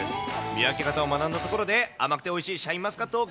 見分け方を学んだところで、甘くておいしいシャインマスカットを。